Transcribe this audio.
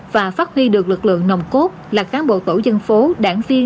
và phát huy được lực lượng nồng cốt là cán bộ tổ dân phố đảng viên